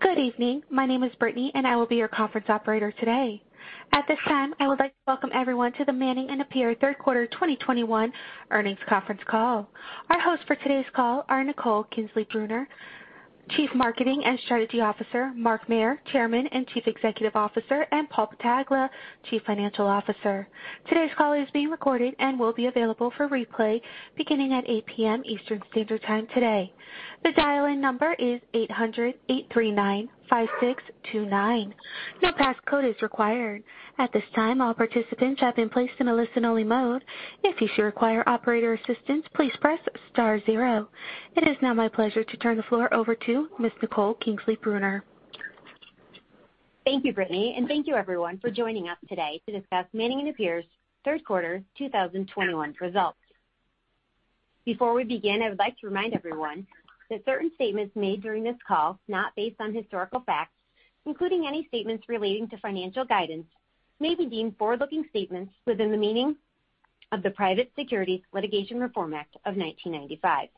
Good evening. My name is Brittany, and I will be your conference operator today. At this time, I would like to welcome everyone to the Manning & Napier third quarter 2021 earnings conference call. Our hosts for today's call are Nicole Kingsley Brunner, Chief Marketing and Strategy Officer, Marc Mayer, Chairman and Chief Executive Officer, and Paul Battaglia, Chief Financial Officer. Today's call is being recorded and will be available for replay beginning at 8 P.M. Eastern Standard Time today. The dial-in number is 800-839-5629. No pass code is required. At this time, all participants have been placed in a listen-only mode. If you should require operator assistance, please press star zero. It is now my pleasure to turn the floor over to Ms. Nicole Kingsley Brunner. Thank you, Brittany, and thank you everyone for joining us today to discuss Manning & Napier's third quarter 2021 results. Before we begin, I would like to remind everyone that certain statements made during this call that are not based on historical facts, including any statements relating to financial guidance, may be deemed forward-looking statements within the meaning of the Private Securities Litigation Reform Act of 1995.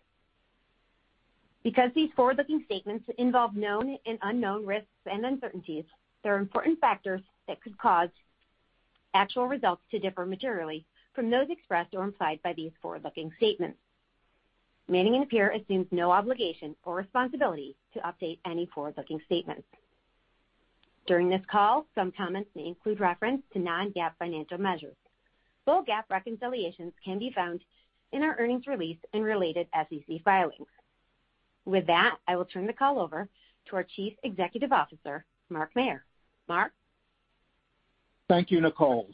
Because these forward-looking statements involve known and unknown risks and uncertainties, there are important factors that could cause actual results to differ materially from those expressed or implied by these forward-looking statements. Manning & Napier assumes no obligation or responsibility to update any forward-looking statements. During this call, some comments may include reference to non-GAAP financial measures. Full GAAP reconciliations can be found in our earnings release and related SEC filings. With that, I will turn the call over to our Chief Executive Officer, Marc Mayer. Marc? Thank you, Nicole.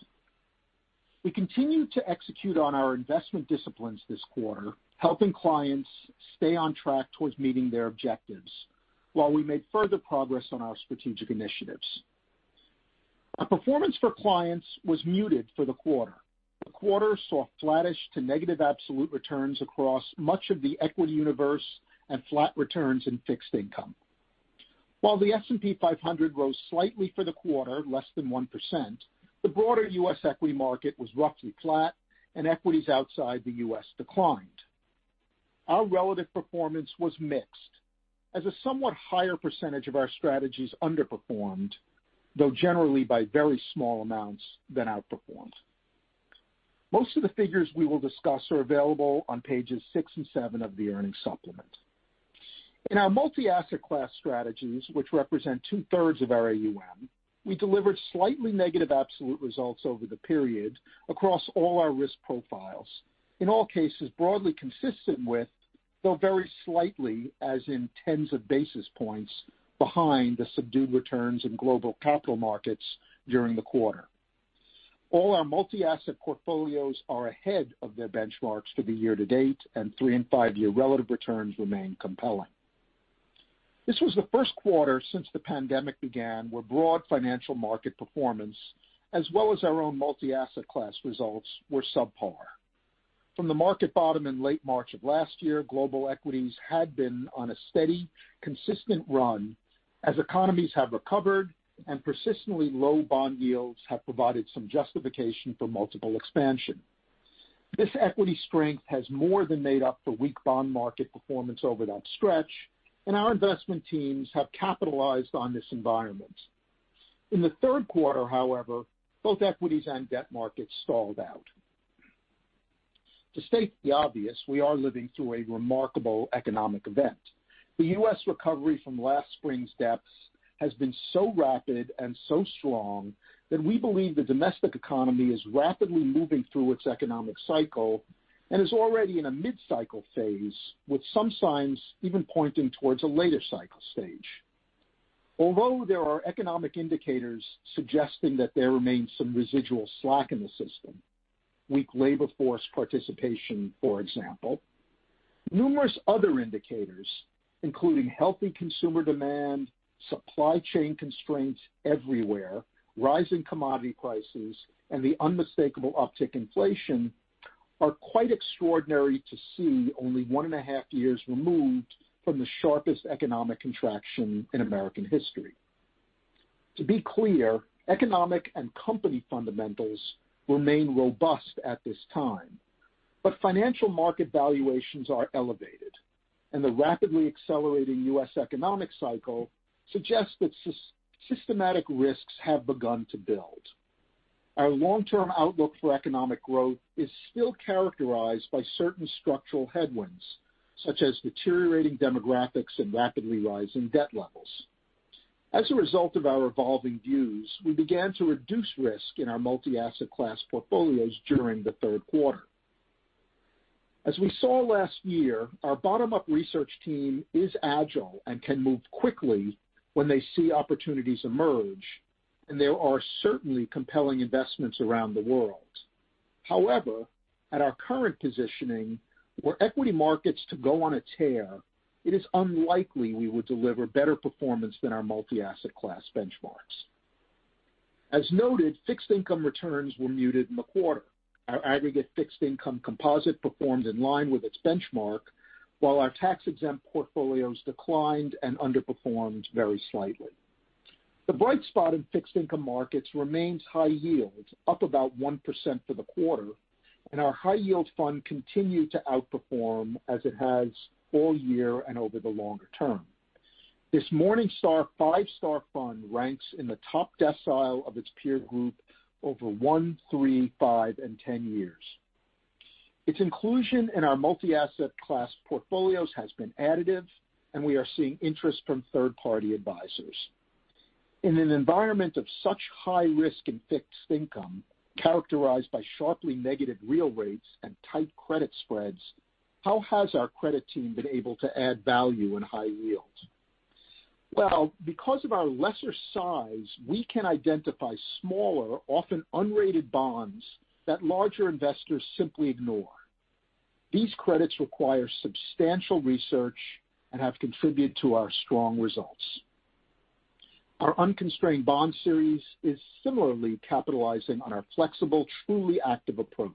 We continued to execute on our investment disciplines this quarter, helping clients stay on track towards meeting their objectives while we made further progress on our strategic initiatives. Our performance for clients was muted for the quarter. The quarter saw flattish to negative absolute returns across much of the equity universe and flat returns in fixed income. While the S&P 500 rose slightly for the quarter, less than 1%, the broader U.S. equity market was roughly flat and equities outside the U.S. declined. Our relative performance was mixed, as a somewhat higher percentage of our strategies underperformed, though generally by very small amounts, than outperformed. Most of the figures we will discuss are available on pages six and seven of the earnings supplement. In our multi-asset class strategies, which represent two-thirds of our AUM, we delivered slightly negative absolute results over the period across all our risk profiles. In all cases, broadly consistent with, though very slightly, as in tens of basis points behind the subdued returns in global capital markets during the quarter. All our multi-asset portfolios are ahead of their benchmarks for the year to date, and three and five-year relative returns remain compelling. This was the first quarter since the pandemic began, where broad financial market performance, as well as our own multi-asset class results, were subpar. From the market bottom in late March of last year, global equities had been on a steady, consistent run as economies have recovered and persistently low bond yields have provided some justification for multiple expansion. This equity strength has more than made up for weak bond market performance over that stretch, and our investment teams have capitalized on this environment. In the third quarter, however, both equities and debt markets stalled out. To state the obvious, we are living through a remarkable economic event. The U.S. recovery from last spring's depths has been so rapid and so strong that we believe the domestic economy is rapidly moving through its economic cycle and is already in a mid-cycle phase, with some signs even pointing towards a later cycle stage. Although there are economic indicators suggesting that there remains some residual slack in the system, weak labor force participation, for example, numerous other indicators, including healthy consumer demand, supply chain constraints everywhere, rising commodity prices, and the unmistakable uptick in inflation, are quite extraordinary to see only 1.5 years removed from the sharpest economic contraction in American history. To be clear, economic and company fundamentals remain robust at this time, but financial market valuations are elevated, and the rapidly accelerating U.S. economic cycle suggests that systematic risks have begun to build. Our long-term outlook for economic growth is still characterized by certain structural headwinds, such as deteriorating demographics and rapidly rising debt levels. As a result of our evolving views, we began to reduce risk in our multi-asset class portfolios during the third quarter. As we saw last year, our bottom-up research team is agile and can move quickly when they see opportunities emerge, and there are certainly compelling investments around the world. However, at our current positioning, were equity markets to go on a tear, it is unlikely we would deliver better performance than our multi-asset class benchmarks. As noted, fixed income returns were muted in the quarter. Our aggregate fixed income composite performed in line with its benchmark, while our tax-exempt portfolios declined and underperformed very slightly. The bright spot in fixed income markets remains high yield, up about 1% for the quarter, and our high yield fund continued to outperform as it has all year and over the longer term. This Morningstar five-star fund ranks in the top decile of its peer group over one, three, five, and 10 years. Its inclusion in our multi-asset class portfolios has been additive, and we are seeing interest from third-party advisors. In an environment of such high risk in fixed income, characterized by sharply negative real rates and tight credit spreads, how has our credit team been able to add value in high yields? Well, because of our lesser size, we can identify smaller, often unrated bonds that larger investors simply ignore. These credits require substantial research and have contributed to our strong results. Our Unconstrained Bond Series is similarly capitalizing on our flexible, truly active approach.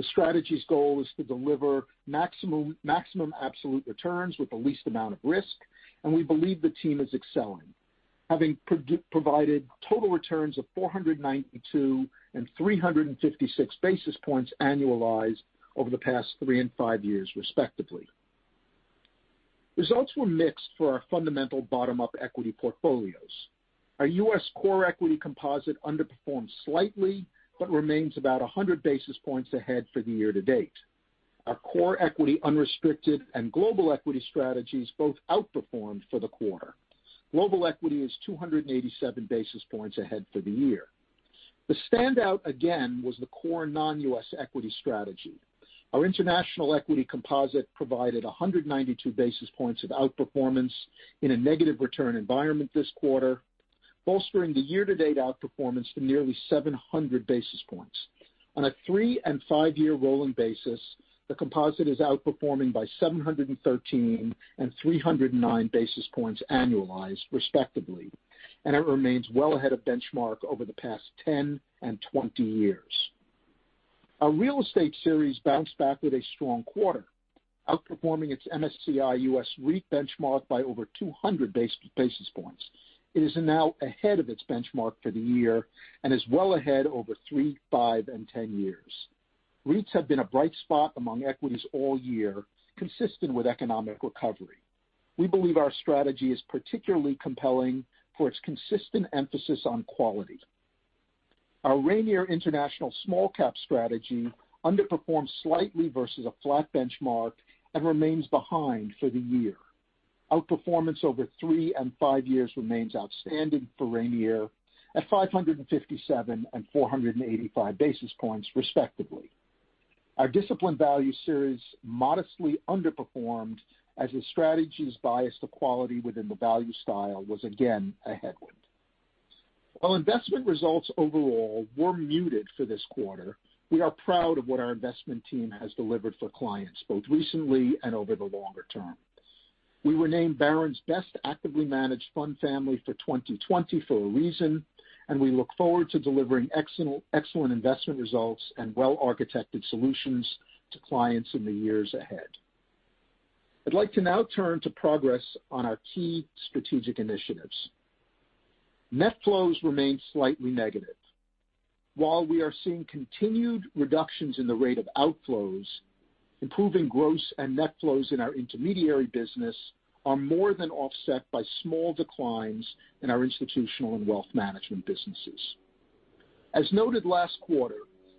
The strategy's goal is to deliver maximum absolute returns with the least amount of risk, and we believe the team is excelling, having provided total returns of 492 and 356 basis points annualized over the past three and five years, respectively. Results were mixed for our fundamental bottom-up equity portfolios. Our U.S. Core Equity Composite underperformed slightly but remains about 100 basis points ahead for the year-to-date. Our Core Equity – Unrestricted and Global Equity strategies both outperformed for the quarter. Global Equity is 287 basis points ahead for the year. The standout, again, was the Core Non-U.S. Equity strategy. Our International Equity Composite provided 192 basis points of outperformance in a negative return environment this quarter, bolstering the year-to-date outperformance to nearly 700 basis points. On a three- and five-year rolling basis, the composite is outperforming by 713 and 309 basis points annualized, respectively, and it remains well ahead of benchmark over the past 10 and 20 years. Our Real Estate Series bounced back with a strong quarter, outperforming its MSCI U.S. REIT benchmark by over 200 basis points. It is now ahead of its benchmark for the year and is well ahead over three, five, and 10 years. REITs have been a bright spot among equities all year, consistent with economic recovery. We believe our strategy is particularly compelling for its consistent emphasis on quality. Our Rainier International Small Cap strategy underperformed slightly versus a flat benchmark and remains behind for the year. Outperformance over three and five years remains outstanding for Rainier at 557 and 485 basis points, respectively. Our Disciplined Value Series modestly underperformed as the strategy's bias to quality within the value style was again a headwind. While investment results overall were muted for this quarter, we are proud of what our investment team has delivered for clients, both recently and over the longer term. We were named Barron's Best Actively Managed Fund Family for 2020 for a reason, and we look forward to delivering excellent investment results and well-architected solutions to clients in the years ahead. I'd like to now turn to progress on our key strategic initiatives. Net flows remain slightly negative. While we are seeing continued reductions in the rate of outflows, improving gross and net flows in our intermediary business are more than offset by small declines in our institutional and wealth management businesses. As noted last quarter,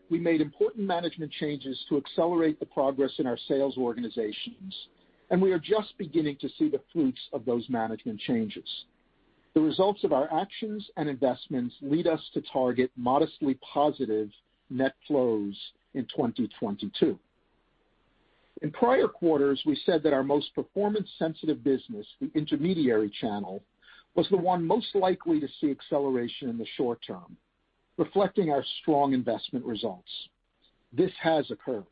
we made important management changes to accelerate the progress in our sales organizations, and we are just beginning to see the fruits of those management changes. The results of our actions and investments lead us to target modestly positive net flows in 2022. In prior quarters, we said that our most performance-sensitive business, the intermediary channel, was the one most likely to see acceleration in the short term, reflecting our strong investment results. This has occurred.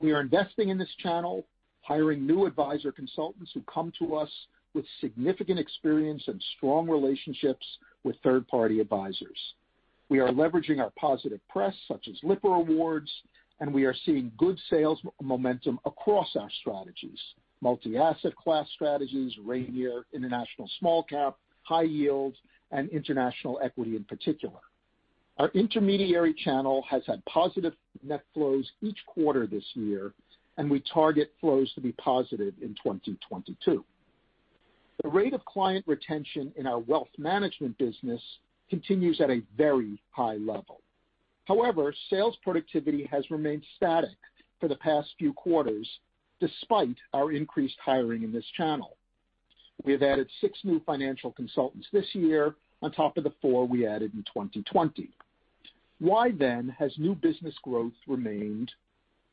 We are investing in this channel, hiring new advisor consultants who come to us with significant experience and strong relationships with third-party advisors. We are leveraging our positive press, such as Lipper Awards, and we are seeing good sales momentum across our strategies, multi-asset class strategies, Rainier, International Small Cap, High Yield, and International Equity in particular. Our intermediary channel has had positive net flows each quarter this year, and we target flows to be positive in 2022. The rate of client retention in our wealth management business continues at a very high level. However, sales productivity has remained static for the past few quarters, despite our increased hiring in this channel. We have added six new financial consultants this year on top of the four we added in 2020. Why then has new business growth remained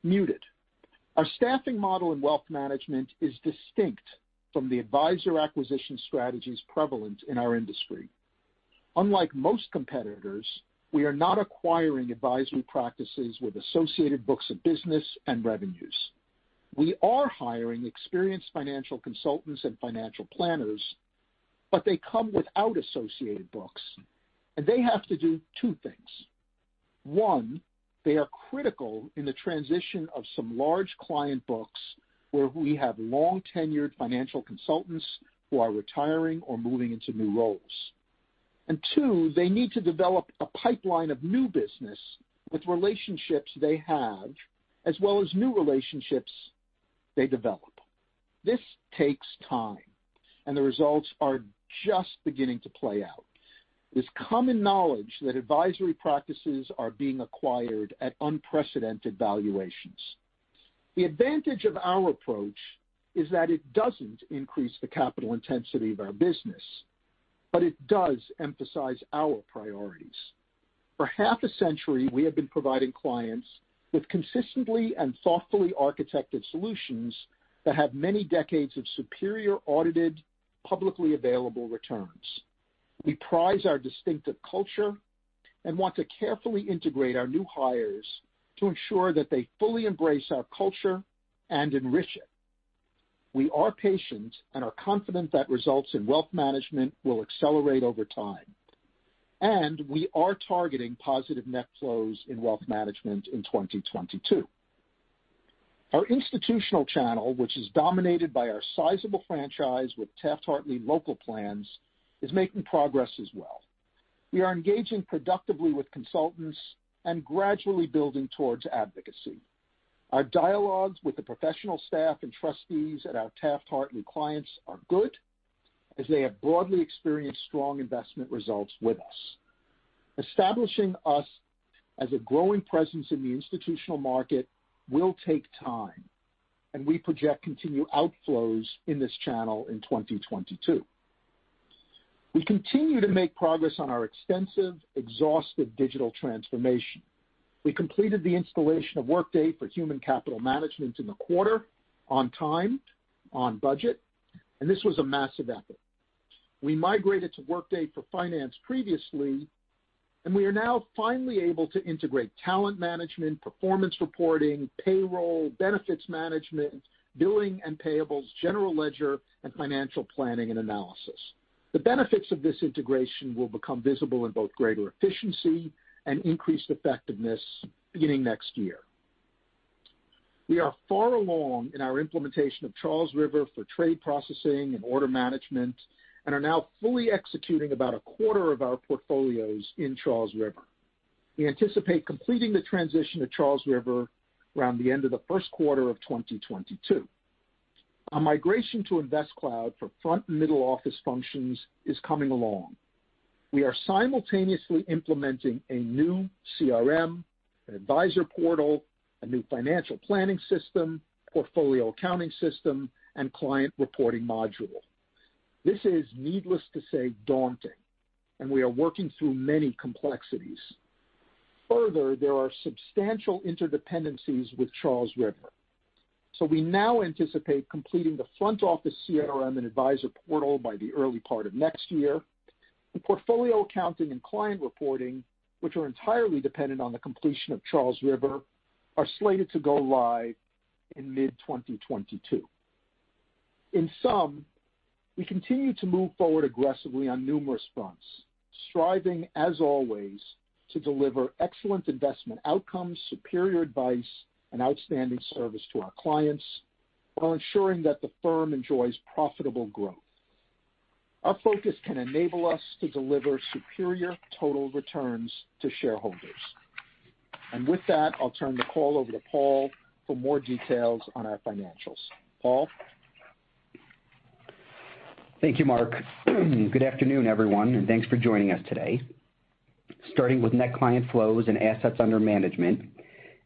muted? Our staffing model in wealth management is distinct from the advisor acquisition strategies prevalent in our industry. Unlike most competitors, we are not acquiring advisory practices with associated books of business and revenues. We are hiring experienced financial consultants and financial planners, but they come without associated books, and they have to do two things. One, they are critical in the transition of some large client books where we have long-tenured financial consultants who are retiring or moving into new roles. Two, they need to develop a pipeline of new business with relationships they have, as well as new relationships they develop. This takes time, and the results are just beginning to play out. It is common knowledge that advisory practices are being acquired at unprecedented valuations. The advantage of our approach is that it doesn't increase the capital intensity of our business, but it does emphasize our priorities. For half a century, we have been providing clients with consistently and thoughtfully architected solutions that have many decades of superior audited, publicly available returns. We prize our distinctive culture and want to carefully integrate our new hires to ensure that they fully embrace our culture and enrich it. We are patient and are confident that results in wealth management will accelerate over time. We are targeting positive net flows in wealth management in 2022. Our institutional channel, which is dominated by our sizable franchise with Taft-Hartley local plans, is making progress as well. We are engaging productively with consultants and gradually building towards advocacy. Our dialogues with the professional staff and trustees at our Taft-Hartley clients are good, as they have broadly experienced strong investment results with us. Establishing us as a growing presence in the institutional market will take time, and we project continued outflows in this channel in 2022. We continue to make progress on our extensive, exhaustive digital transformation. We completed the installation of Workday for human capital management in the quarter on time, on budget, and this was a massive effort. We migrated to Workday for finance previously, and we are now finally able to integrate talent management, performance reporting, payroll, benefits management, billing and payables, general ledger, and financial planning and analysis. The benefits of this integration will become visible in both greater efficiency and increased effectiveness beginning next year. We are far along in our implementation of Charles River for trade processing and order management and are now fully executing about a quarter of our portfolios in Charles River. We anticipate completing the transition to Charles River around the end of the first quarter of 2022. Our migration to InvestCloud for front and middle office functions is coming along. We are simultaneously implementing a new CRM, an advisor portal, a new financial planning system, portfolio accounting system, and client reporting module. This is, needless to say, daunting, and we are working through many complexities. Further, there are substantial interdependencies with Charles River. We now anticipate completing the front office CRM and advisor portal by the early part of next year. The portfolio accounting and client reporting, which are entirely dependent on the completion of Charles River, are slated to go live in mid-2022. In sum, we continue to move forward aggressively on numerous fronts, striving, as always, to deliver excellent investment outcomes, superior advice, and outstanding service to our clients while ensuring that the firm enjoys profitable growth. Our focus can enable us to deliver superior total returns to shareholders. With that, I'll turn the call over to Paul for more details on our financials. Paul? Thank you, Mark. Good afternoon, everyone, and thanks for joining us today. Starting with net client flows and assets under management,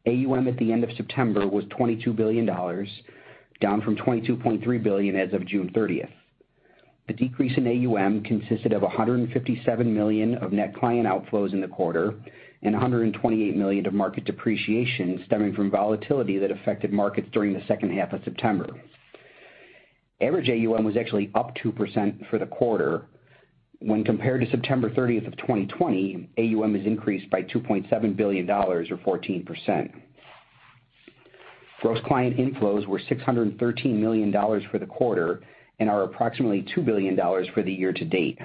AUM at the end of September was $22 billion, down from $22.3 billion as of June 30. The decrease in AUM consisted of $157 million of net client outflows in the quarter and $128 million of market depreciation stemming from volatility that affected markets during the second half of September. Average AUM was actually up 2% for the quarter. When compared to September 30 of 2020, AUM has increased by $2.7 billion or 14%. Gross client inflows were $613 million for the quarter and are approximately $2 billion for the year to date.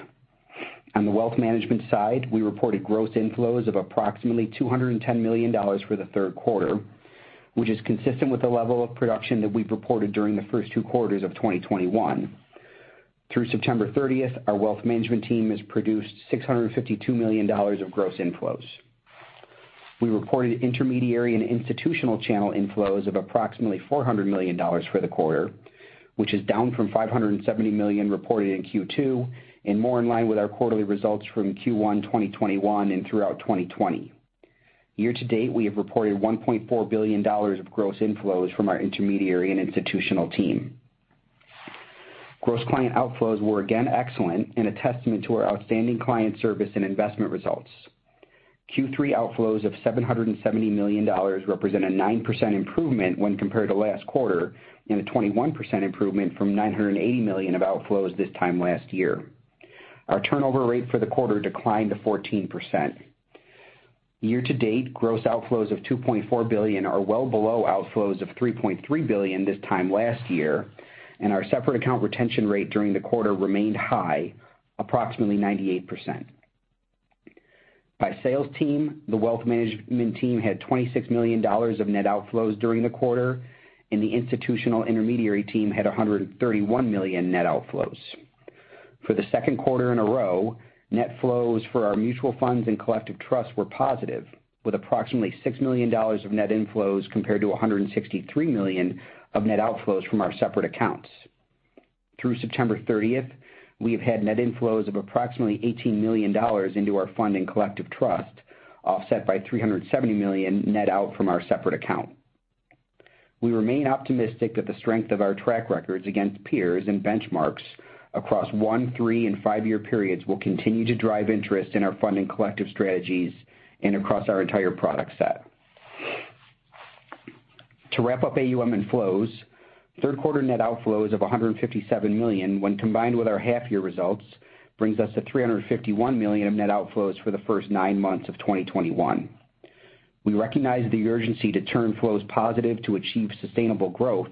On the wealth management side, we reported gross inflows of approximately $210 million for the third quarter, which is consistent with the level of production that we've reported during the first two quarters of 2021. Through September 30, our wealth management team has produced $652 million of gross inflows. We reported intermediary and institutional channel inflows of approximately $400 million for the quarter, which is down from $570 million reported in Q2, too, and more in line with our quarterly results from Q1 2021 and throughout 2020. Year to date, we have reported $1.4 billion of gross inflows from our intermediary and institutional team. Gross client outflows were again excellent and a testament to our outstanding client service and investment results. Q3 outflows of $770 million represent a 9% improvement when compared to last quarter and a 21% improvement from $980 million of outflows this time last year. Our turnover rate for the quarter declined to 14%. Year to date, gross outflows of $2.4 billion are well below outflows of $3.3 billion this time last year, and our separate account retention rate during the quarter remained high, approximately 98%. By sales team, the wealth management team had $26 million of net outflows during the quarter, and the institutional intermediary team had $131 million net outflows. For the second quarter in a row, net flows for our mutual funds and collective trusts were positive, with approximately $6 million of net inflows, compared to $163 million of net outflows from our separate accounts. Through September 30, we have had net inflows of approximately $18 million into our collective investment trust, offset by $370 million net outflows from our separate account. We remain optimistic that the strength of our track records against peers and benchmarks across one-, three- and five-year periods will continue to drive interest in our collective investment strategies and across our entire product set. To wrap up AUM and flows, third quarter net outflows of $157 million, when combined with our half year results, brings us to $351 million of net outflows for the first nine months of 2021. We recognize the urgency to turn flows positive to achieve sustainable growth,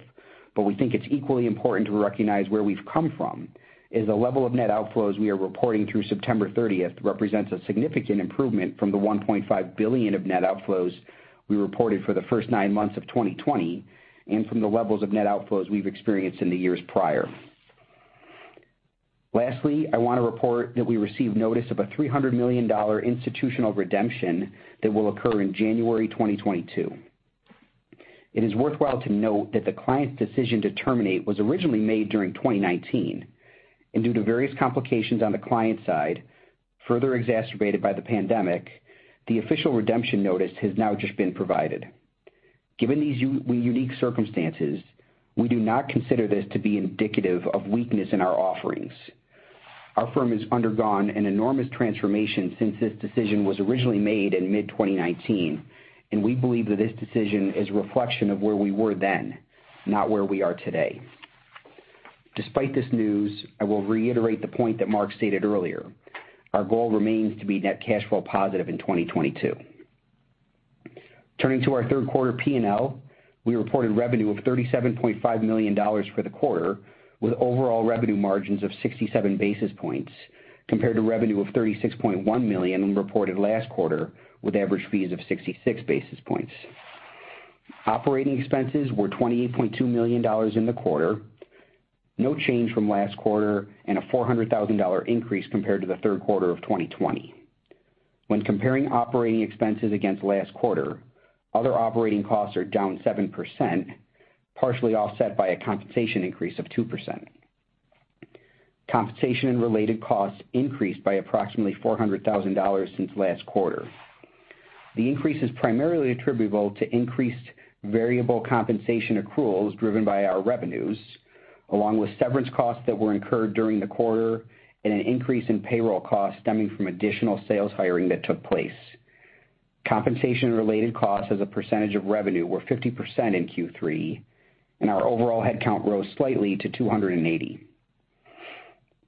but we think it's equally important to recognize where we've come from, as the level of net outflows we are reporting through September 30 represents a significant improvement from the $1.5 billion of net outflows we reported for the first nine months of 2020, and from the levels of net outflows we've experienced in the years prior. Lastly, I want to report that we received notice of a $300 million institutional redemption that will occur in January 2022. It is worthwhile to note that the client's decision to terminate was originally made during 2019. Due to various complications on the client side, further exacerbated by the pandemic, the official redemption notice has now just been provided. Given these unique circumstances, we do not consider this to be indicative of weakness in our offerings. Our firm has undergone an enormous transformation since this decision was originally made in mid-2019, and we believe that this decision is a reflection of where we were then, not where we are today. Despite this news, I will reiterate the point that Marc Mayer stated earlier. Our goal remains to be net cash flow positive in 2022. Turning to our third quarter P&L, we reported revenue of $37.5 million for the quarter, with overall revenue margins of 67 basis points, compared to revenue of $36.1 million we reported last quarter, with average fees of 66 basis points. Operating expenses were $28.2 million in the quarter, no change from last quarter, and a $400,000 increase compared to the third quarter of 2020. When comparing operating expenses against last quarter, other operating costs are down 7%, partially offset by a compensation increase of 2%. Compensation and related costs increased by approximately $400,000 since last quarter. The increase is primarily attributable to increased variable compensation accruals driven by our revenues, along with severance costs that were incurred during the quarter and an increase in payroll costs stemming from additional sales hiring that took place. Compensation-related costs as a percentage of revenue were 50% in Q3, and our overall headcount rose slightly to 280.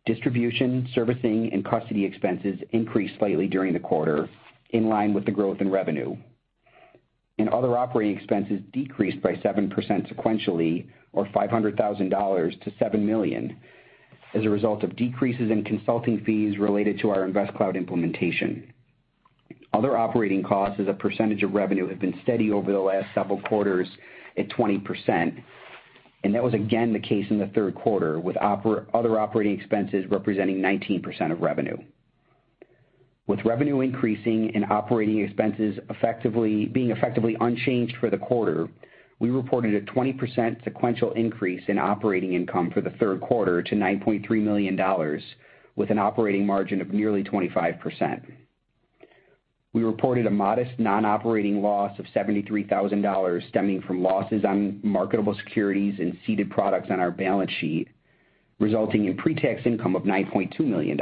Distribution, servicing, and custody expenses increased slightly during the quarter, in line with the growth in revenue. Other operating expenses decreased by 7% sequentially, or $500,000 to $7 million as a result of decreases in consulting fees related to our InvestCloud implementation. Other operating costs as a percentage of revenue have been steady over the last several quarters at 20%, and that was again the case in the third quarter, with other operating expenses representing 19% of revenue. With revenue increasing and operating expenses effectively unchanged for the quarter, we reported a 20% sequential increase in operating income for the third quarter to $9.3 million, with an operating margin of nearly 25%. We reported a modest non-operating loss of $73,000 stemming from losses on marketable securities and seeded products on our balance sheet, resulting in pre-tax income of $9.2 million.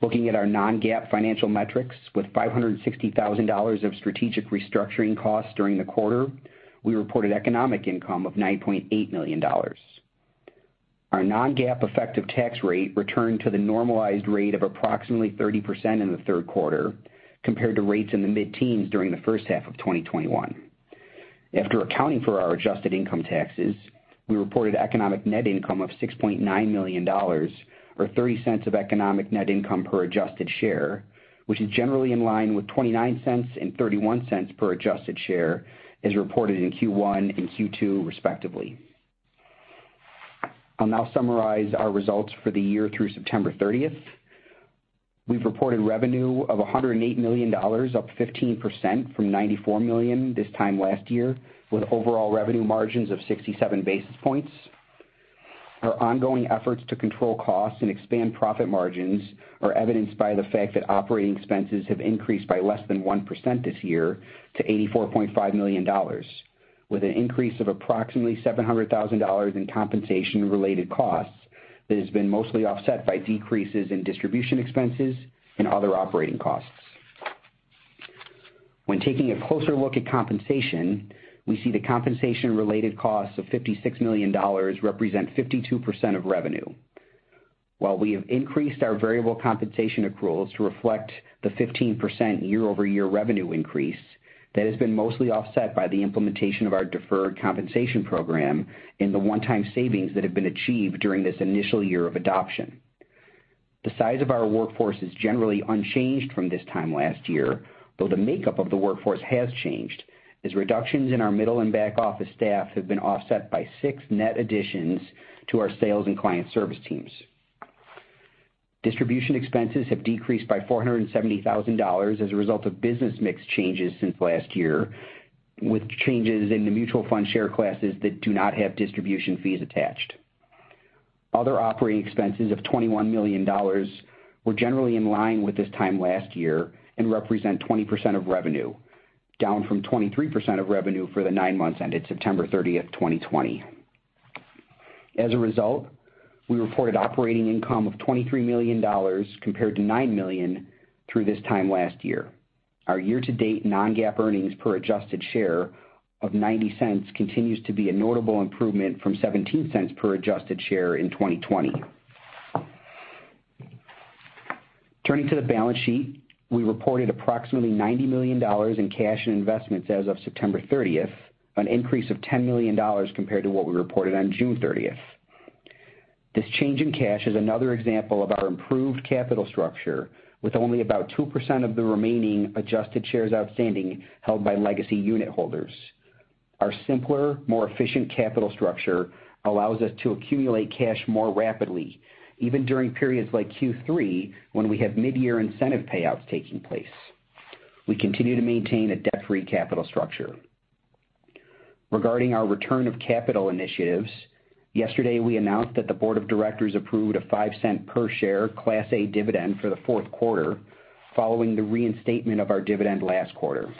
Looking at our non-GAAP financial metrics with $560,000 of strategic restructuring costs during the quarter, we reported economic income of $9.8 million. Our non-GAAP effective tax rate returned to the normalized rate of approximately 30% in the third quarter, compared to rates in the mid-teens during the first half of 2021. After accounting for our adjusted income taxes, we reported economic net income of $6.9 million, or $0.30 economic net income per adjusted share, which is generally in line with $0.29 and $0.31 per adjusted share as reported in Q1 and Q2 respectively. I'll now summarize our results for the year through September 30. We've reported revenue of $108 million, up 15% from $94 million this time last year, with overall revenue margins of 67 basis points. Our ongoing efforts to control costs and expand profit margins are evidenced by the fact that operating expenses have increased by less than 1% this year to $84.5 million, with an increase of approximately $700,000 in compensation-related costs that has been mostly offset by decreases in distribution expenses and other operating costs. When taking a closer look at compensation, we see the compensation-related costs of $56 million represent 52% of revenue. While we have increased our variable compensation accruals to reflect the 15% year-over-year revenue increase, that has been mostly offset by the implementation of our deferred compensation program and the one-time savings that have been achieved during this initial year of adoption. The size of our workforce is generally unchanged from this time last year, though the makeup of the workforce has changed, as reductions in our middle and back office staff have been offset by six net additions to our sales and client service teams. Distribution expenses have decreased by $470,000 as a result of business mix changes since last year, with changes in the mutual fund share classes that do not have distribution fees attached. Other operating expenses of $21 million were generally in line with this time last year and represent 20% of revenue, down from 23% of revenue for the nine months ended September 30, 2020. We reported operating income of $23 million compared to $9 million through this time last year. Our year-to-date non-GAAP earnings per adjusted share of $0.90 continues to be a notable improvement from $0.17 per adjusted share in 2020. Turning to the balance sheet, we reported approximately $90 million in cash and investments as of September 30, an increase of $10 million compared to what we reported on June 30. This change in cash is another example of our improved capital structure, with only about 2% of the remaining adjusted shares outstanding held by legacy unitholders. Our simpler, more efficient capital structure allows us to accumulate cash more rapidly, even during periods like Q3, when we have mid-year incentive payouts taking place. We continue to maintain a debt-free capital structure. Regarding our return of capital initiatives, yesterday, we announced that the board of directors approved a $0.05 per share Class A dividend for the fourth quarter following the reinstatement of our dividend last quarter.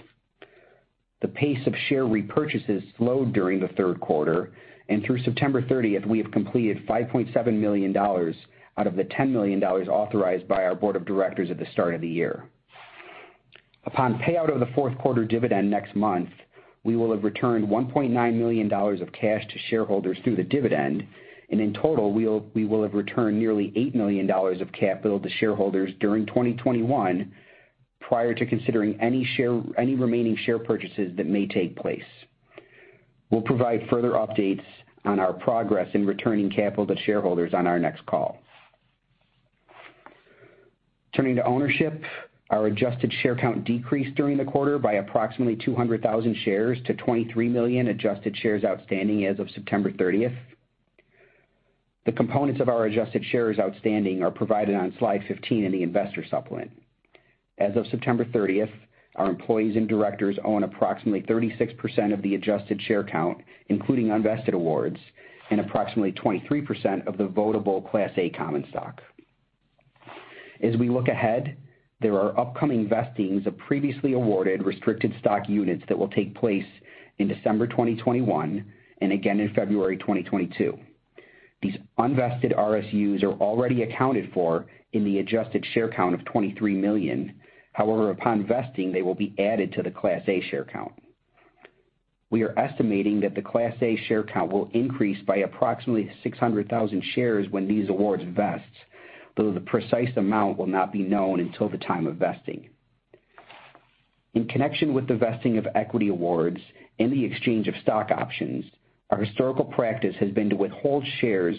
The pace of share repurchases slowed during the third quarter, and through September 30, we have completed $5.7 million out of the $10 million authorized by our board of directors at the start of the year. Upon payout of the fourth quarter dividend next month, we will have returned $1.9 million of cash to shareholders through the dividend, and in total, we will have returned nearly $8 million of capital to shareholders during 2021 prior to considering any remaining share purchases that may take place. We'll provide further updates on our progress in returning capital to shareholders on our next call. Turning to ownership, our adjusted share count decreased during the quarter by approximately 200,000 shares to 23 million adjusted shares outstanding as of September 30. The components of our adjusted shares outstanding are provided on slide 15 in the investor supplement. As of September 30, our employees and directors own approximately 36% of the adjusted share count, including unvested awards, and approximately 23% of the votable Class A common stock. As we look ahead, there are upcoming vestings of previously awarded restricted stock units that will take place in December 2021 and again in February 2022. These unvested RSUs are already accounted for in the adjusted share count of 23 million. However, upon vesting, they will be added to the Class A share count. We are estimating that the Class A share count will increase by approximately 600,000 shares when these awards vest, though the precise amount will not be known until the time of vesting. In connection with the vesting of equity awards and the exchange of stock options, our historical practice has been to withhold shares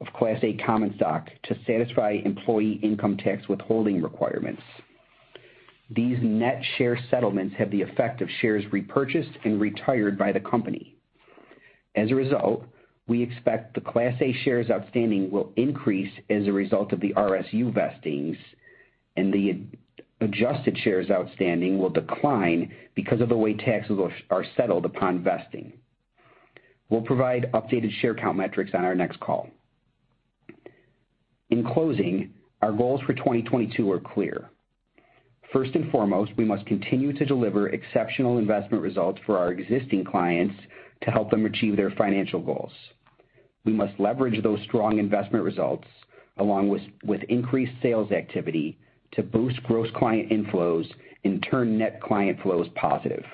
of Class A common stock to satisfy employee income tax withholding requirements. These net share settlements have the effect of shares repurchased and retired by the company. As a result, we expect the Class A shares outstanding will increase as a result of the RSU vestings, and the as-adjusted shares outstanding will decline because of the way taxes are settled upon vesting. We'll provide updated share count metrics on our next call. In closing, our goals for 2022 are clear. First and foremost, we must continue to deliver exceptional investment results for our existing clients to help them achieve their financial goals. We must leverage those strong investment results, along with increased sales activity, to boost gross client inflows and turn net client flows positive.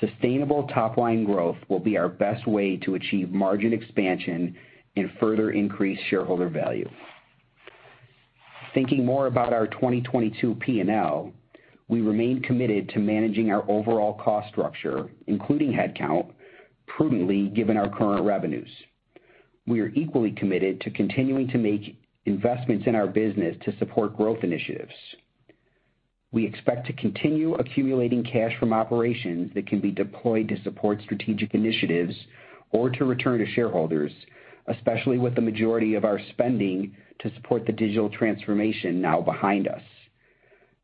Sustainable top-line growth will be our best way to achieve margin expansion and further increase shareholder value. Thinking more about our 2022 P&L, we remain committed to managing our overall cost structure, including headcount, prudently given our current revenues. We are equally committed to continuing to make investments in our business to support growth initiatives. We expect to continue accumulating cash from operations that can be deployed to support strategic initiatives or to return to shareholders, especially with the majority of our spending to support the digital transformation now behind us.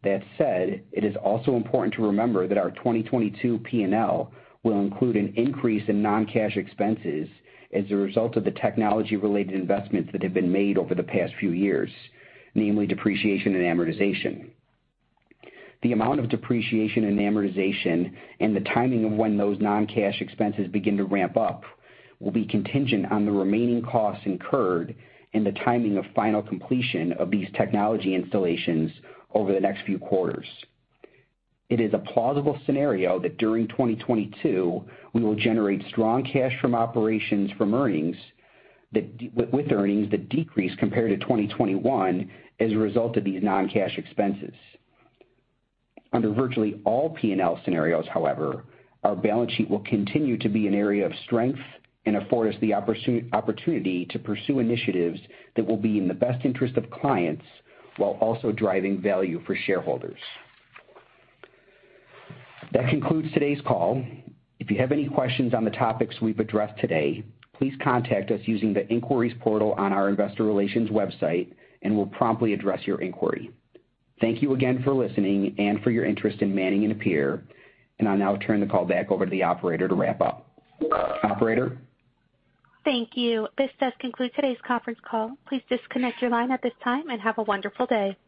That said, it is also important to remember that our 2022 P&L will include an increase in non-cash expenses as a result of the technology-related investments that have been made over the past few years, namely depreciation and amortization. The amount of depreciation and amortization and the timing of when those non-cash expenses begin to ramp up will be contingent on the remaining costs incurred and the timing of final completion of these technology installations over the next few quarters. It is a plausible scenario that during 2022, we will generate strong cash from operations from earnings, with earnings that decrease compared to 2021 as a result of these non-cash expenses. Under virtually all P&L scenarios, however, our balance sheet will continue to be an area of strength and afford us the opportunity to pursue initiatives that will be in the best interest of clients while also driving value for shareholders. That concludes today's call. If you have any questions on the topics we've addressed today, please contact us using the inquiries portal on our investor relations website, and we'll promptly address your inquiry. Thank you again for listening and for your interest in Manning & Napier, and I'll now turn the call back over to the operator to wrap up. Operator? Thank you. This does conclude today's conference call. Please disconnect your line at this time and have a wonderful day.